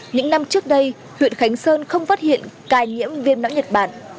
những năm trước đây huyện khánh sơn không phát hiện ca nhiễm viêm não nhật bản